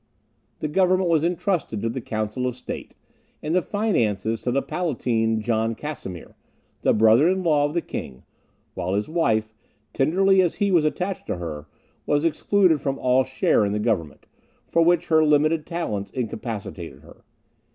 The government was intrusted to the Council of State, and the finances to the Palatine John Casimir, the brother in law of the King, while his wife, tenderly as he was attached to her, was excluded from all share in the government, for which her limited talents incapacitated her.